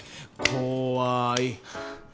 怖い！